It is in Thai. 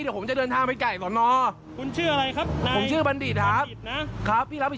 เดี๋ยวผมจะเดินทางไปใกล้ช่องนอดชื่ออะไรครับคุณบัณฑิฐนะ